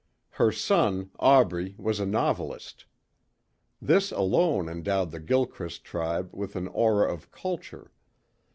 Her son Aubrey was a novelist. This alone endowed the Gilchrist tribe with an aura of culture.